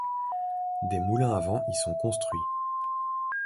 Des moulins à vent y sont construits.